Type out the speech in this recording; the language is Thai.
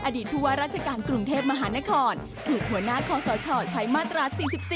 ผู้ว่าราชการกรุงเทพมหานครถูกหัวหน้าคอสชใช้มาตรา๔๔